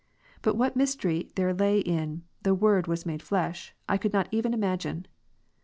But what mystery there lay in, " The Word was made flesh ^^ I could not even imagine.